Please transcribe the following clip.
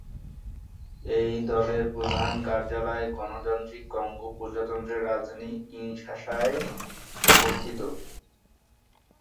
এই দলের প্রধান কার্যালয় গণতান্ত্রিক কঙ্গো প্রজাতন্ত্রের রাজধানী কিনশাসায় অবস্থিত।